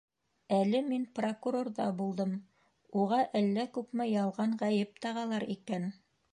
Әле мин прокурорҙа булдым: уға әллә күпме ялған ғәйеп тағалар икән!